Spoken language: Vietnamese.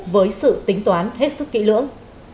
với sự tính toán hết sức kỹ lưỡng